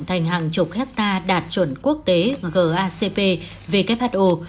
thành hàng chục hectare đạt chuẩn quốc tế gacp who